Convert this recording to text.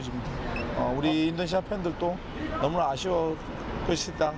karena jadi satu di tengo michelle yg ada ke y obsolete samo